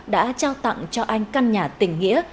đã trao tặng cho anh căn nhà tình nghĩa